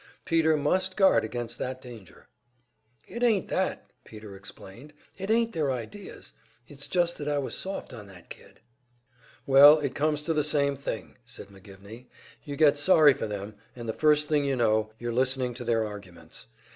Peter must guard against that danger. "It ain't that," Peter explained. "It ain't their ideas. It's just that I was soft on that kid." "Well, it comes to the same thing," said McGivney. "You get sorry for them, and the first thing you know, you're listening to their arguments.